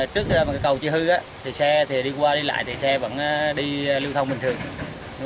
trước khi cầu chưa hư xe đi qua đi lại thì xe vẫn đi lưu thông bình thường